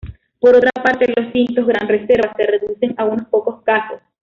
Por otra parte, los tintos "Gran Reserva" se reducen a unos pocos casos.